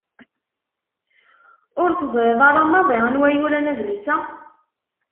Ur teẓriḍ ara maḍi anwa yuran adlis-a?